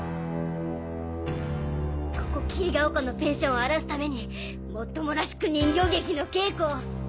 ここ霧ヶ丘のペンションを荒らすためにもっともらしく人形劇の稽古を。